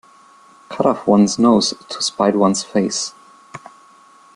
Cut off one's nose to spite one's face.